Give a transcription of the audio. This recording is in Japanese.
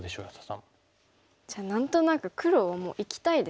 じゃあ何となく黒はもう生きたいですよね。